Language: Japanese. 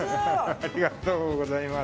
ありがとうございます。